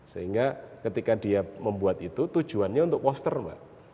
sehingga ketika dia membuat itu tujuannya untuk posisi